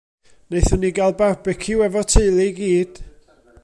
Nathon ni gael barbeciw efo'r teulu i gyd.